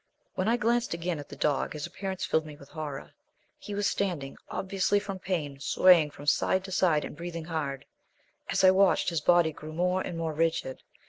When I glanced again at the dog his appearance filled me with horror; he was standing, obviously from pain, swaying from side to side and breathing hard. As I watched, his body grew more and more rigid.